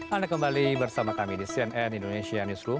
anda kembali bersama kami di cnn indonesia newsroom